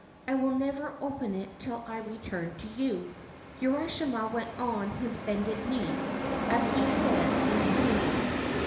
I will never open it till I return to you.' Urashima went on his bended knee as he said these words.